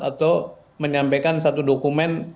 atau menyampaikan satu dokumen